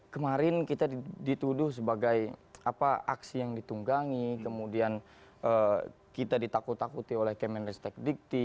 kemarin kita dituduh sebagai aksi yang ditunggangi kemudian kita ditakut takuti oleh kemenristek dikti